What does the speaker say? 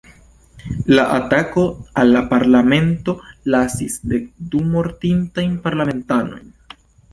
La atako al la Parlamento lasis dek du mortintajn parlamentanojn.